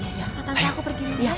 tante aku pergi dulu ya